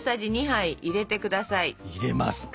入れますか。